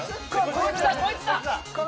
こいつだ！